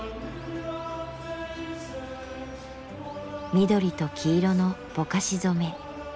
緑と黄色のぼかし染め。